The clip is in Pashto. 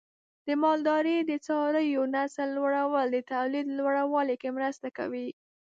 د مالدارۍ د څارویو نسل لوړول د تولید لوړوالي کې مرسته کوي.